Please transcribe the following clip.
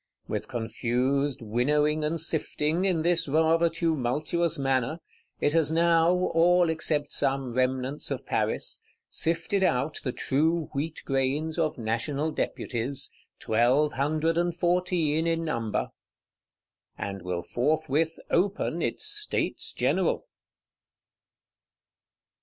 With confused winnowing and sifting, in this rather tumultuous manner, it has now (all except some remnants of Paris) sifted out the true wheat grains of National Deputies, Twelve Hundred and Fourteen in number; and will forthwith open its States General.